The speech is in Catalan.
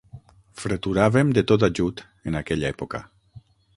Freturàvem de tot ajut, en aquella època.